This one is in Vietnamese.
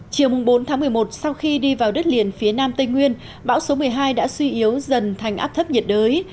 chiều bốn một mươi một sau khi đi vào đất liền phía nam tây nguyên bão số một mươi hai đã suy yếu dần thành áp thấp nhiệt đới